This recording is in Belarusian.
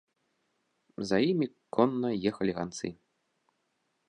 За імі конна ехалі ганцы.